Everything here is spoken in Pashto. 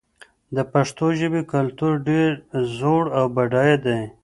د پښتو ژبې کلتور ډېر زوړ او بډای دی.